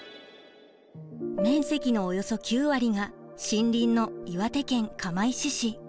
面積のおよそ９割が森林の岩手県釜石市。